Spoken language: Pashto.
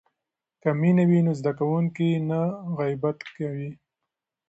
که مینه وي نو زده کوونکی نه غیبت کوي.